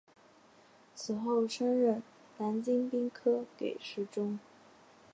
此后升任南京兵科给事中。